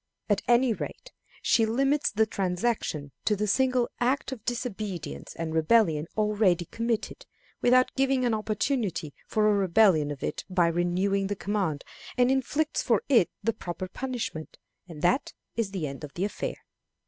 At any rate, she limits the transaction to the single act of disobedience and rebellion already committed, without giving an opportunity for a repetition of it by renewing the command, and inflicts for it the proper punishment, and that is the end of the affair.